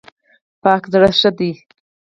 پاک زړه ښه دی.